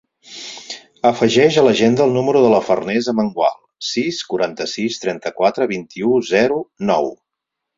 Afegeix a l'agenda el número de la Farners Amengual: sis, quaranta-sis, trenta-quatre, vint-i-u, zero, nou.